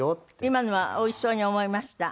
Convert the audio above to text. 今のはおいしそうに思いました。